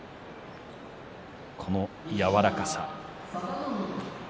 この柔らかさ。